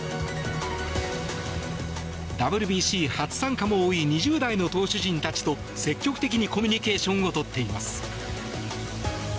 ＷＢＣ初参加も多い２０代の投手陣たちと積極的にコミュニケーションをとっています。